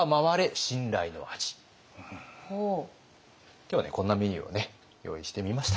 今日はねこんなメニューをね用意してみました。